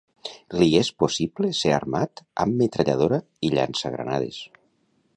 Li és possible ser armat amb metralladora i llançagranades.